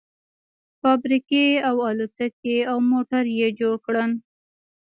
فابريکې او الوتکې او موټر يې جوړ کړل.